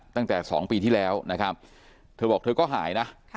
ตั้งแต่๒ปีที่แล้วนะครับเธอบอกเธอก็หายนะ